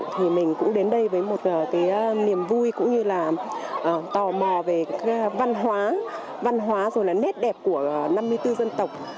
thì mình cũng đến đây với một cái niềm vui cũng như là tò mò về văn hóa văn hóa rồi là nét đẹp của năm mươi bốn dân tộc